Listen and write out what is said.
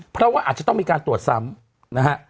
เพราะว่าอาจจะต้องมีการตรวจซ้ำนะฮะ